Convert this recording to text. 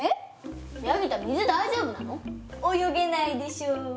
泳げないでしょう！